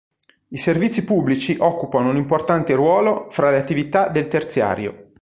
I servizi pubblici occupano un importante ruolo fra le attività del terziario.